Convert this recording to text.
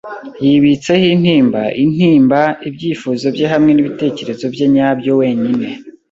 Yibitseho intimba, intimba, ibyifuzo bye hamwe nibitekerezo bye nyabyo wenyine.